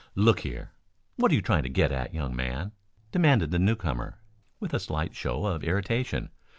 "Look here, what are you trying to get at, young man?" demanded the newcomer with a slight show of irritation.